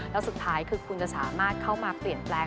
แล้วสุดท้ายคือคุณจะสามารถเข้ามาเปลี่ยนแปลง